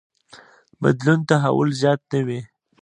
بدلون تحول زیات نه وي.